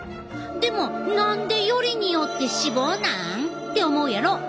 でも何でよりによって脂肪なん？って思うやろ？